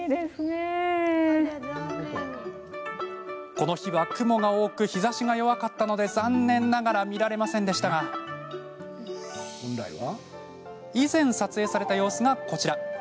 この日は雲が多く日ざしが弱かったので残念ながら見られませんでしたが以前、撮影された様子がこちら。